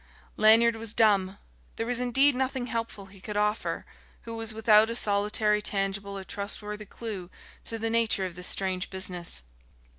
Lanyard was dumb. There was, indeed, nothing helpful he could offer, who was without a solitary tangible or trustworthy clue to the nature of this strange business.